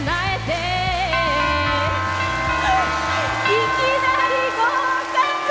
いきなり合格！